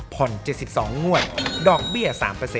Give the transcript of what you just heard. ผ่อน๗๒งวดดอกเบี้ย๓